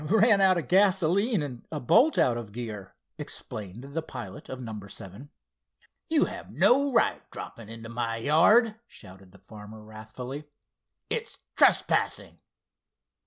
"Ran out of gasoline and a bolt out of gear," explained the pilot of number seven. "You have no right dropping into my yard!" shouted the farmer, wrathfully. "It's trespassing."